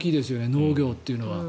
農業というのは。